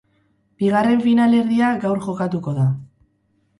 Bigarren finalerdia gaur jokatuko da.